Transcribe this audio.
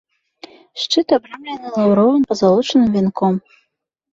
Шчыт абрамлены лаўровым пазалочаным вянком.